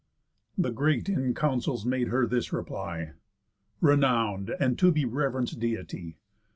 The great in counsels made her this reply: "Renown'd, and to be rev'renc'd, Deity!